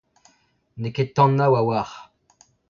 N'eo ket tanav a-walc'h.